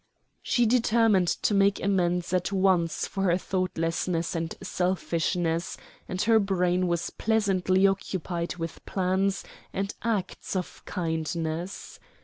She determined to make amends at once for her thoughtlessness and selfishness, and her brain was pleasantly occupied with plans and acts of kindness.